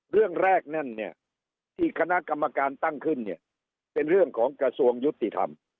เรื่องแรกที่คณะกรรมการตั้งขึ้นเป็นเรื่องของกระทรวงยุติธรรม